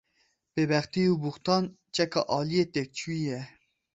Bêbextî û bûxtan çeka aliyê têkçûyî ye.